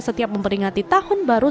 setiap memperingati tahun baru